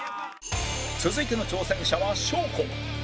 続いての挑戦者は祥子